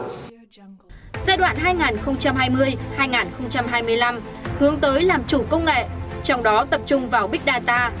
giai đoạn hai nghìn hai mươi hai nghìn hai mươi năm hướng tới làm chủ công nghệ trong đó tập trung vào big data